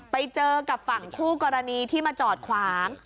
ไปเจอกับฝั่งคู่กรณีที่มาจอดขวาง